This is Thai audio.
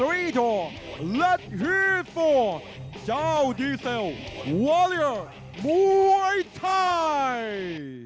มาดูนักชกในมุมน้ำเงินไทยรัฐมวยไทย